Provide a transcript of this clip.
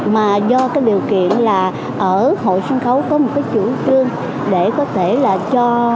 mà do cái điều kiện là ở hội sân khấu có một cái chủ trương để có thể là cho